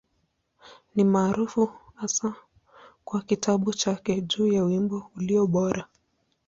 Ni maarufu hasa kwa kitabu chake juu ya Wimbo Ulio Bora.